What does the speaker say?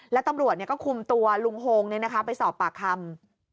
แล้วตำรวจก็คุมตัวลุงโฮงไปสอบปากคำ